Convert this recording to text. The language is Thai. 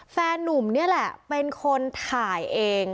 แฟนนุ่มนี่แหละเป็นคนถ่ายเอง